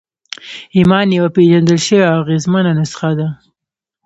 ایمان یوه پېژندل شوې او اغېزمنه نسخه ده